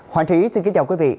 hoàng thúy xin kính chào quý vị